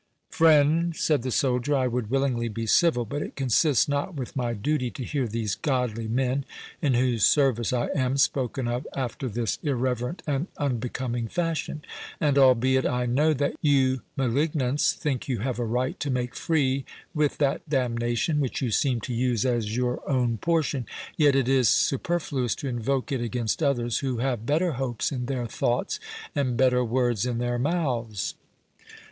"Friend," said the soldier, "I would willingly be civil, but it consists not with my duty to hear these godly men, in whose service I am, spoken of after this irreverent and unbecoming fashion. And albeit I know that you malignants think you have a right to make free with that damnation, which you seem to use as your own portion, yet it is superfluous to invoke it against others, who have better hopes in their thoughts, and better words in their mouths."